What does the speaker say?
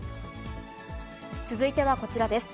続いてはこちらです。